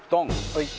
はい。